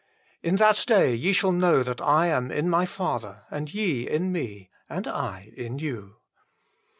In that day ye shall know that I am in My Father, and ye in Me, and I in you."